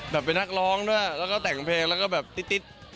เป็นนักร้องด้วยแล้วก็แต่งเพลงแล้วก็แบบติ๊ด